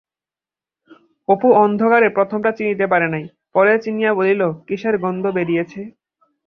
অপু অন্ধকারে প্রথমটা চিনিতে পারে নাই, পরে চিনিয়া বলিল, কিসের গন্ধ বেরিয়েছে।